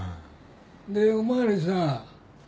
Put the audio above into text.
でお巡りさん